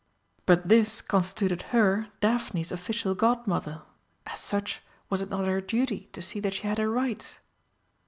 But this constituted her Daphne's official Godmother. As such, was it not her duty to see that she had her rights?